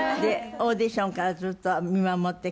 オーディションからずっと見守ってきました。